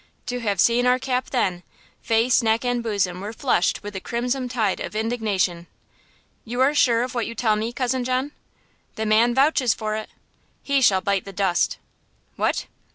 To have seen our Cap then! Face, neck and bosom were flushed with the crimson tide of indignation! "You are sure of what you tell me, Cousin John?" "The man vouches for it!" "He shall bite the dust!" "What?"